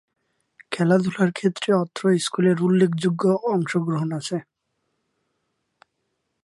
খেলাধুলার ক্ষেত্রে অত্র স্কুলের উল্লেখযোগ্য অংশগ্রহণ আছে।